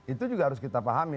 itu juga harus kita pahami